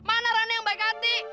mana rani yang baik hati